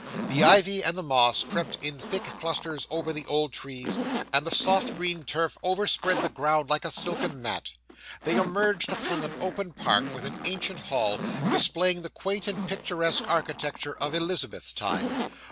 The ivy and the moss crept in thick clusters over the old trees, and the soft green turf overspread the ground like a silken mat. They emerged upon an open park, with an ancient hall, displaying the quaint and picturesque architecture of Elizabeth's time.